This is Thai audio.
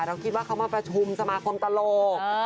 เราคิดว่าเขามาประชุมสมาคมตลก